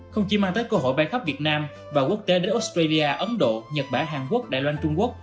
không chỉ mang tới cơ hội bay khắp việt nam và quốc tế đến australia ấn độ nhật bản hàn quốc đài loan trung quốc